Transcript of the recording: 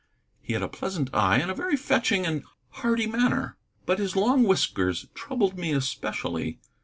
He had a pleasant eye and a very fetching and hearty manner. But his long whiskers troubled me especially.